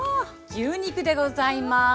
牛肉でございます。